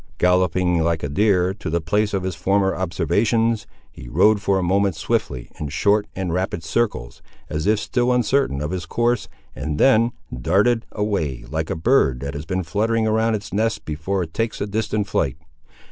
Galloping like a deer, to the place of his former observations, he rode for a moment swiftly, in short and rapid circles, as if still uncertain of his course, and then darted away, like a bird that had been fluttering around its nest before it takes a distant flight.